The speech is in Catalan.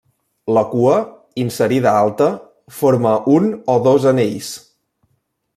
La cua, inserida alta, forma un o dos anells.